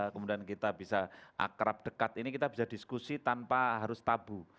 kemudian kita bisa akrab dekat ini kita bisa diskusi tanpa harus tabu